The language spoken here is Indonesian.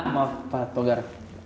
maaf pak togar